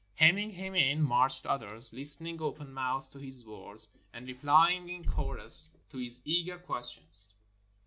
Hemming him in, marched others, listening open mouthed to his words, and replying in chorus to his eager questions.